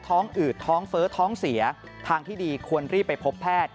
อืดท้องเฟ้อท้องเสียทางที่ดีควรรีบไปพบแพทย์